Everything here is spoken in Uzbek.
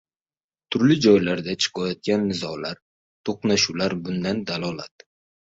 Turli joylarda chiqayotgan nizolar, to‘qnashuvlar bundan dalolat.